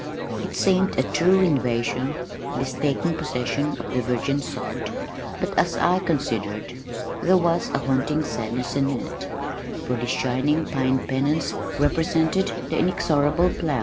It seemed a true invasion, this taking possession of the virgin sod, but as I considered, there was a haunting sadness in it, for these shining pine pennons represented the inexorable plow.